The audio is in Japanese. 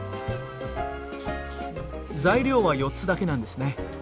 材料は４つだけなんですね。